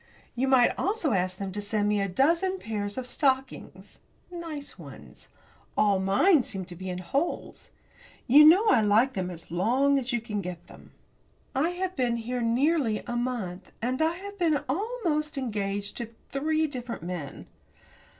You might also ask them to send me a dozen pairs of stockings nice ones. All mine seem to be in holes. You know I like them as long as you can get them. I have been here nearly a month, and I have been almost engaged to three different men.